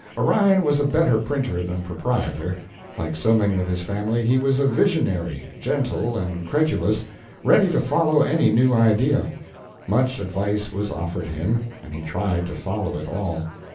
Orion was a better printer than proprietor. Like so many of his family, he was a visionary, gentle and credulous, ready to follow any new idea. Much advice was offered him, and he tried to follow it all.